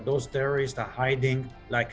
salah satu warga palestina di tepi barat menggambarkan